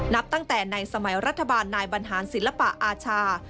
นับตั้งแต่ในสมัยรัฐบาลนายบรรหารศิลปะอาชา